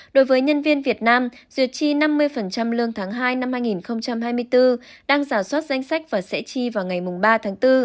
đối với nhân viên việt nam duyệt chi năm mươi lương tháng hai năm hai nghìn hai mươi bốn đang giả soát danh sách và sẽ chi vào ngày ba tháng bốn